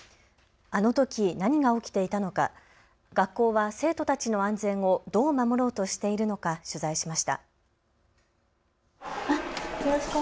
あのとき何が起きていたのか、学校は生徒たちの安全をどう守ろうとしているのか取材しました。